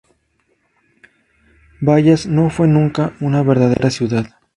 Bayas no fue nunca una verdadera ciudad.